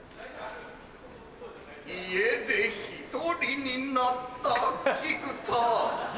家で１人になった菊田。